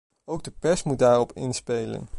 Ook de pers moet daarop inspelen.